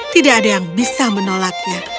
tidak ada yang bisa menolaknya